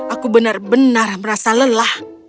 aku benar benar merasa lelah